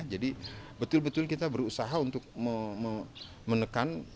jadi betul betul kita berusaha untuk menekan penggunaan